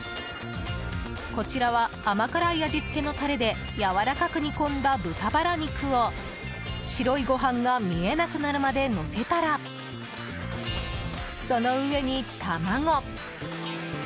こちらは甘辛い味付けのタレでやわらかく煮込んだ豚バラ肉を白いご飯が見えなくなるまでのせたら、その上に卵。